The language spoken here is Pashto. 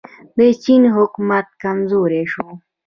د چین حکومت کمزوری شو.